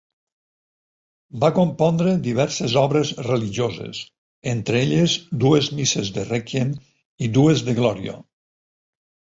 Va compondre diverses obres religioses, entre elles dues misses de Rèquiem i dues de Glòria.